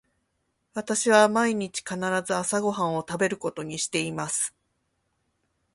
私は毎日必ず朝ご飯を食べることにしています。